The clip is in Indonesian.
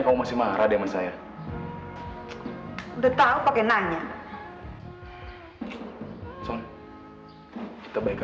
sampai jumpa di video selanjutnya